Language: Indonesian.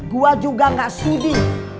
gue juga gak sudi